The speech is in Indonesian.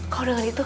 kau dengar itu